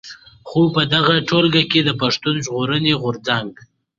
خو په دغه ټولګه کې د پښتون ژغورني غورځنګ.